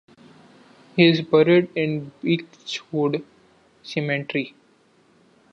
He is buried in Beechwood Cemetery.